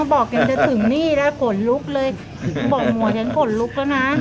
บอกยังจะถึงนี่แล้วขนลุกเลยบอกหมอยังขนลุกแล้วนะ